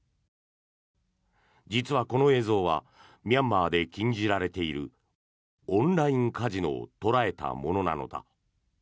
実はこの映像はミャンマーで禁じられているオンラインカジノを捉えたものなのだ。